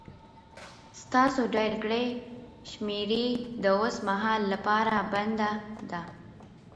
ستاسو ډائل کړې شمېره د اوس مهال لپاره بنده ده